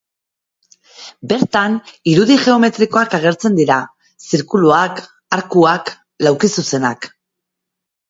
Bertan irudi geometrikoak agertzen dira: zirkuluak, arkuak, laukizuzenak.